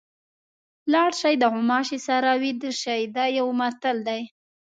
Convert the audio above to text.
لاړ شئ د غوماشي سره ویده شئ دا یو متل دی.